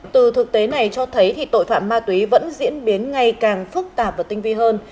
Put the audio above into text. từ thực tế này cho thấy tội phạm ma túy vẫn diễn biến ngày càng phức tạp và tinh vi hơn